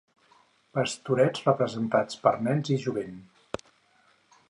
Pastorets representats per nens i jovent.